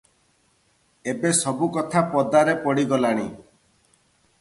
ଏବେ ସବୁ କଥା ପଦାରେ ପଡିଗଲାଣି ।